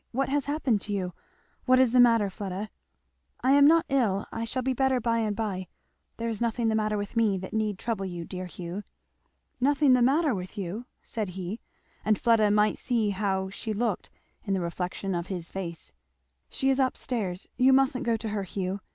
what has happened to you? what is the matter, Fleda?" "I am not ill I shall be better by and by. There is nothing the matter with me that need trouble you, dear Hugh." "Nothing the matter with you!" said he, and Fleda might see how she looked in the reflection of his face, "where's mother?" "She is up stairs you mustn't go to her, Hugh!"